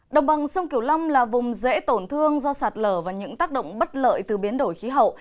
đồng bằng sông kiểu long là vùng dễ tổn thương do sạt lở và những tác động bất lợi từ biến đổi khí hậu